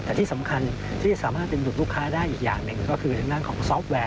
แต่ที่สำคัญที่จะสามารถดึงดูดลูกค้าได้อีกอย่างหนึ่งก็คือทางด้านของซอฟต์แวร์